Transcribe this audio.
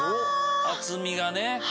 厚みがね。